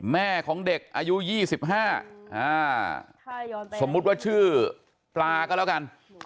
แม่ของเด็กอายุ๒๕สมมุติว่าชื่อปลาก็แล้วกัน